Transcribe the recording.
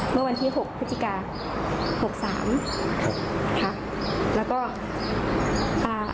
เมื่อวันที่หกพฤศจิกาหกสามครับค่ะแล้วก็อ่า